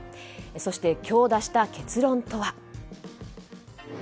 そして、今日出した結論とは。